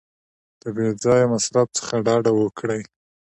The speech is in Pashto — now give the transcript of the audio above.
د بې ځایه مصرف څخه ډډه وکړئ.